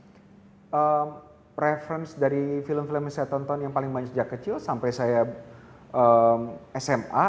jadi preferensi dari film film yang saya tonton yang paling banyak sejak kecil sampai saya sma